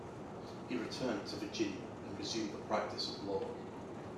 He returned to Virginia and resumed the practice of law.